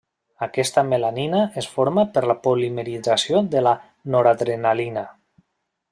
Aquesta melanina es forma per la polimerització de la noradrenalina.